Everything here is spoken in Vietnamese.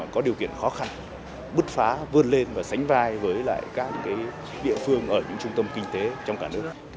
có điều kiện khó khăn bứt phá vươn lên và sánh vai với lại các địa phương ở những trung tâm kinh tế trong cả nước